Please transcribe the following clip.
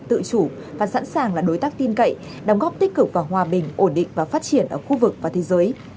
tự chủ và sẵn sàng là đối tác tin cậy đóng góp tích cực và hòa bình ổn định và phát triển ở khu vực và thế giới